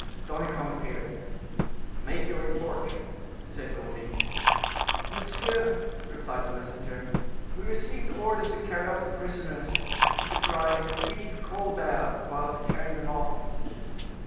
Danicamp appeared. "Make your report," said Gourville. "Monsieur," replied the messenger, "we received orders to carry off the prisoners, and to cry 'Vive Colbert!' whilst carrying them off."